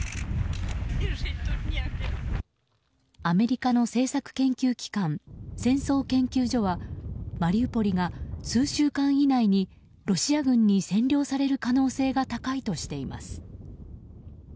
アメリカの政策研究機関戦争研究所はマリウポリが数週間以内にロシア軍に占領される可能性が高いとしています。